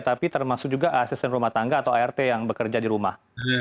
tapi termasuk juga asisten rumah tangga atau art yang bekerja di rumah